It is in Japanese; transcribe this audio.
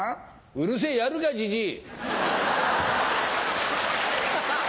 うるせえ、やるか、じじい。